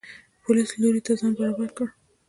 د پولیس لوري ته یې ځان برابر کړ.